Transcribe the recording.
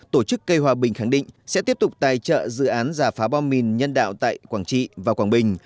tổ chức cây hòa bình khẳng định sẽ tiếp tục tài trợ dự án giả phá bom mìn nhân đạo tại quảng trị và quảng bình